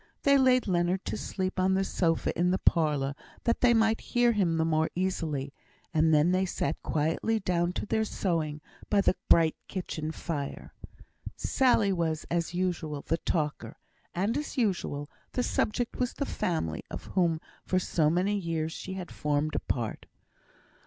They laid Leonard to sleep on the sofa in the parlour, that they might hear him the more easily, and then they sat quietly down to their sewing by the bright kitchen fire. Sally was, as usual, the talker; and, as usual, the subject was the family of whom for so many years she had formed a part.